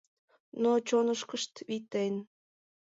Но чонышкышт витен.